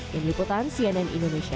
yang diliputan cnn indonesia